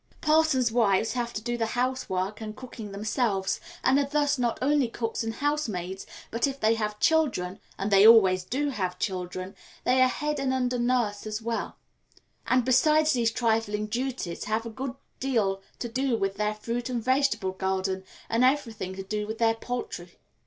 Parsons' wives have to do the housework and cooking themselves, and are thus not only cooks and housemaids, but if they have children and they always do have children they are head and under nurse as well; and besides these trifling duties have a good deal to do with their fruit and vegetable garden, and everything to do with their poultry.